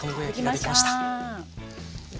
できました。